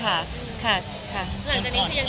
หลังจากนี้คุณยังต้องไปเช็คอัพอะไรอยู่ไหมค่ะพี่เกรด